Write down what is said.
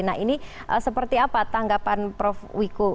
nah ini seperti apa tanggapan prof wiku